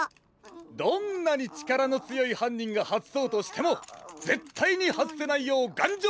どんなにちからのつよいはんにんがはずそうとしてもぜったいにはずせないようがんじょうにつくりました！